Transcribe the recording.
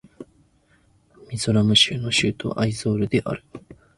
ミゾラム州の州都はアイゾールである